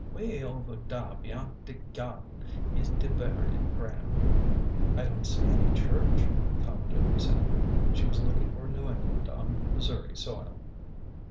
Way over dar beyant de gyarden is de buryin' groun'.'' '' I don't see any church," commented Miss Abby. She was looking for New England on Missouri soil.